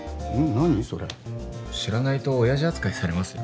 何それ知らないとオヤジ扱いされますよ